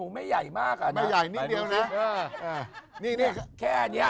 ไปใหญ่นิดเดียวน่ะแค่นี้